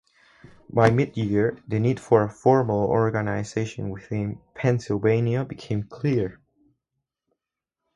By mid year, the need for a formal organization within Pennsylvania became clear.